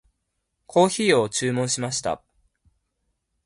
コーヒーを注文しました。